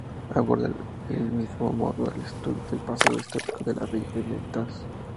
Aborda del mismo modo, el estudio del pasado histórico de la villa de Betanzos.